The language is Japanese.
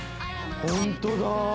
本当だ